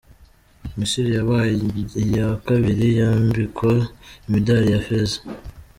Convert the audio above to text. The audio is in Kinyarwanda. Misiri yabaye iya kabiri yambikwa imidali ya Feza.